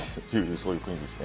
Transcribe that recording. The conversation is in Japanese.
そういう国ですね。